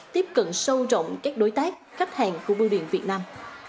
tiếp cận sâu rộng các đối tác khách hàng của bưu điện việt nam